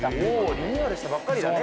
リニューアルしたばっかりだね。